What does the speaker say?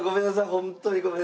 ホントにごめんなさい。